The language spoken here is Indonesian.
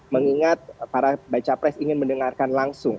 mengingat para baca pres ingin mendengarkan langsung